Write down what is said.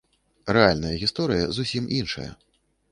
Рэальная гісторыя зусім іншая.